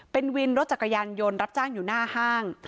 เป็นวินรถจักรยานยนต์รับจ้างอยู่หน้าห้าง